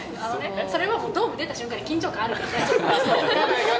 それもうドーム出た瞬間、緊張感あるから。